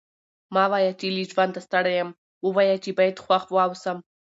مه وايه! چي له ژونده ستړی یم؛ ووايه چي باید خوښ واوسم.